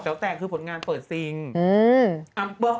เป็นการกระตุ้นการไหลเวียนของเลือด